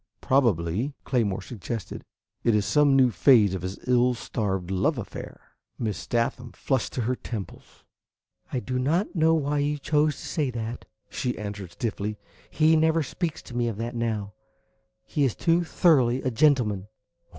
"Probably," Claymore suggested, "it is some new phase of his ill starred love affair." Miss Sathman flushed to her temples. "I do not know why you choose to say that," she answered stiffly. "He never speaks to me of that now. He is too thoroughly a gentleman."